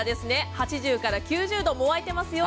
８０から９０度沸いてますよ。